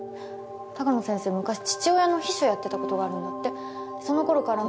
鷹野先生昔父親の秘書やってたことがあるんだってその頃からの。